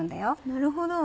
なるほど！